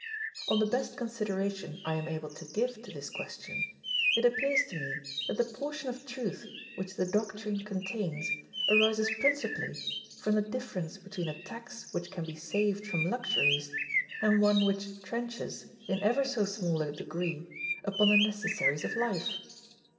On the best consideration I am able to give to this question, it appears to me that the portion of truth which the doctrine contains arises principally from the difference between a tax which can be saved from luxuries and one which trenches, in ever so small a degree, upon the necessaries of life.